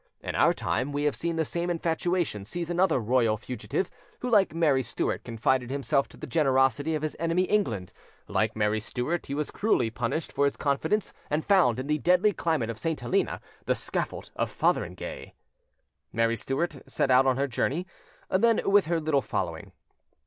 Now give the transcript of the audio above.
In our time, we have seen the same infatuation seize another royal fugitive, who like Mary Stuart confided himself to the generosity of his enemy England: like Mary Stuart, he was cruelly punished for his confidence, and found in the deadly climate of St. Helena the scaffold of Fotheringay. Mary Stuart set out on her journey, then, with her little following.